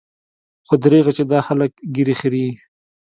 خو درېغه چې دا خلق ږيرې خريي.